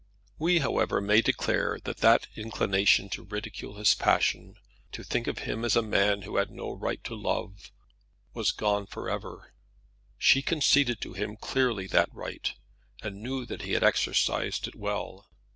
We, however, may declare that that inclination to ridicule his passion, to think of him as a man who had no right to love, was gone for ever. She conceded to him clearly that right, and knew that he had exercised it well.